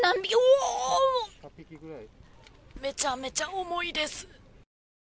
めちゃめちゃ重いです。